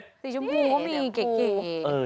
สีชมพูก็มีเก๋